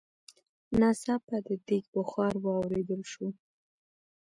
ناڅاپه د ديګ بخار واورېدل شو.